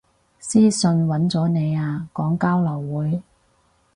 私訊搵咗你啊，講交流會